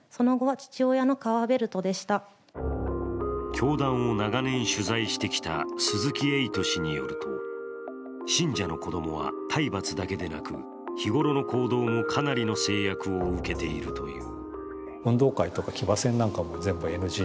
教団を長年取材してきた鈴木エイト氏によると信者の子供は体罰だけでなく日頃の行動もかなりの制約を受けているという。